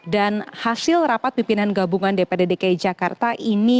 dan hasil rapat pimpinan gabungan dprd dki jakarta ini